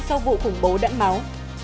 sau vụ khủng bố đẫm máu